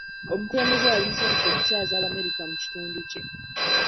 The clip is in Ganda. Omukulembeze yali musanyufu okukyaza Abamerica mu kitundu kye.